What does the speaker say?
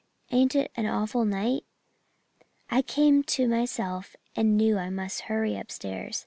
Ain't it an awful night?' "I came to myself and knew I must hurry upstairs.